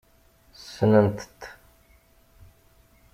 Ssnent-t.